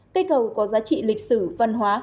cây cầu có giá trị lịch sử văn hóa